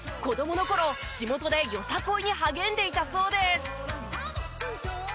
子供の頃地元でよさこいに励んでいたそうです。